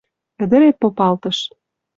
Ӹдӹрет попалтыш